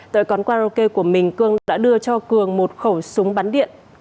tại quán karaoke của mình cường đã đưa cho cường một khẩu súng bắn điện